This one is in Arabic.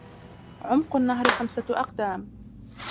عُمق النهر خمسة أقدام.